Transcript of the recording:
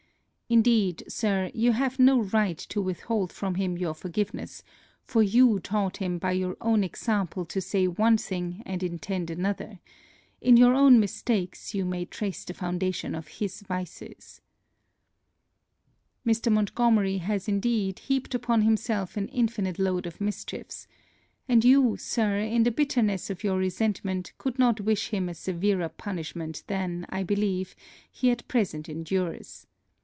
Indeed, Sir, you have no right to withhold from him your forgiveness, for you taught him by your own example to say one thing and intend another; in your own mistakes, you may trace the foundation of his vices. Mr. Montgomery has, indeed, heaped upon himself an infinite load of mischiefs; and you, Sir, in the bitterness of your resentment, could not wish him a severer punishment than, I believe, he at present endures.